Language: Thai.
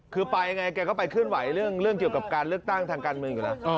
คือไปยังไงแกก็ไปเคลื่อนไหวเรื่องเกี่ยวกับการเลือกตั้งทางการเมืองอยู่แล้ว